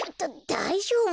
だいじょうぶ？